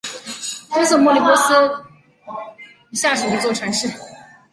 东瑟莫波利斯下属的一座城市。